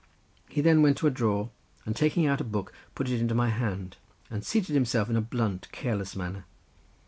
He then went to a drawer, and taking out a book, put it into my hand, and seated himself in a blunt, careless manner.